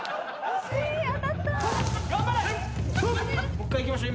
もう一回いきましょう。